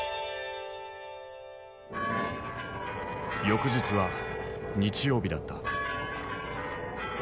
翌日は日曜日だった。